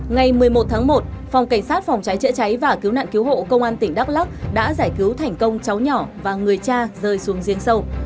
ngày một mươi một tháng một phòng cảnh sát phòng cháy chữa cháy và cứu nạn cứu hộ công an tỉnh đắk lắc đã giải cứu thành công cháu nhỏ và người cha rơi xuống riêng sâu